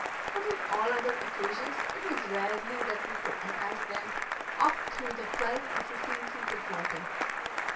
But on all other occasions it was rarely that we could entice them up through the twelve or fifteen feet of water.